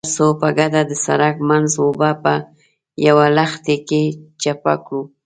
ترڅو په ګډه د سړک منځ اوبه په يوه لښتي کې چپه کړو.